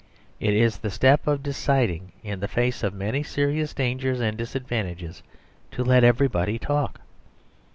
It is the step of deciding, in the face of many serious dangers and disadvantages, to let everybody talk.